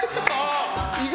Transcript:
意外！